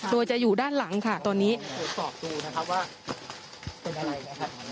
โดยจะอยู่ด้านหลังค่ะตอนนี้ตรวจสอบดูนะครับว่าเป็นอะไรนะครับ